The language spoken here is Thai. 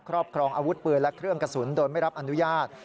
ครอบครองอาวุธปืนและเครื่องกระสุนโดยไม่รับอนุญาต